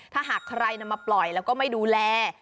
ถ้าหากใครนำมาปล่อยแล้วก็ไม่ดูแล